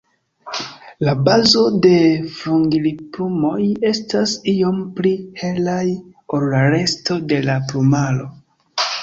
La bazo de flugilplumoj estas iom pli helaj ol la resto de la plumaro.